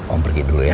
om pergi dulu ya